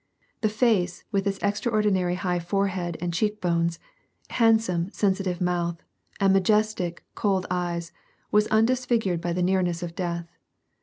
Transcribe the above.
The face, with its extraordinary high forehead and cheek bones, handsome,' sensitive mouth, and majestic, cold eyes, was undisfigured by the nearness of death.